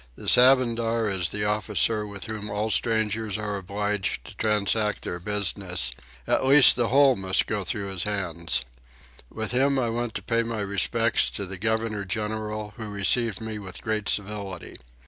The Sabandar is the officer with whom all strangers are obliged to transact their business: at least the whole must go through his hands. With him I went to pay my respects to the governor general who received me with great civility.